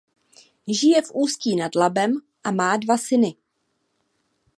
Žije v Ústí nad Labem a má dva syny.